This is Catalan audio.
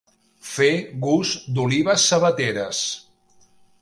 Fer gust d'olives sabateres.